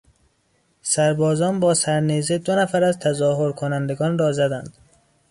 سربازان با سرنیزه دو نفر از تظاهر کنندگان را زدند.